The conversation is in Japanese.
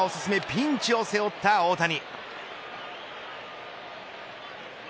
ピンチを背負った大谷。